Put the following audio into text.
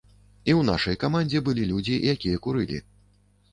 І ў нашай камандзе былі людзі, якія курылі.